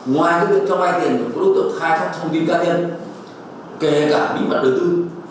ngoài đối tượng cho mai tiền có đối tượng khai sát trong viên cá nhân kể cả bí mật đối tư